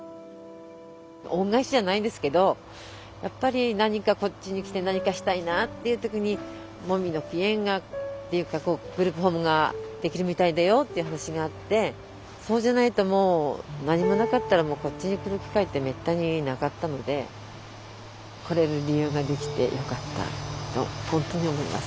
恩返しじゃないんですけどやっぱり何かこっちに来て何かしたいなっていう時にもみの木苑がっていうかグループホームができるみたいだよっていう話があってそうじゃないともう何もなかったらもうこっちに来る機会ってめったになかったので来れる理由ができてよかったと本当に思います。